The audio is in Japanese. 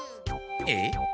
えっ？